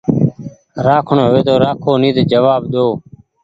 رآکڻو هووي تو رآکو نيتو جوآب ۮيدو